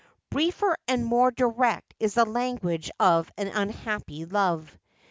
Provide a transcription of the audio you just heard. Briefer and more direct is the language of an unhappy love.